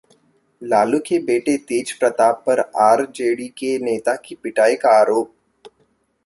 लालू के बेटे तेज प्रताप पर आरजेडी के नेता की पिटाई का आरोप